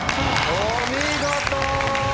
お見事！